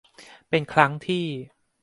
เป็นครั้งที่